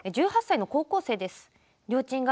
１８歳の高校生です。